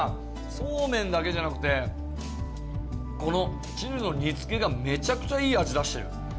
そうめんだけじゃなくてこのチヌの煮つけがめちゃくちゃいい味出してる。